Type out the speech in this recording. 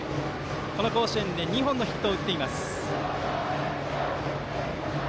この甲子園で２本のヒットを打っています。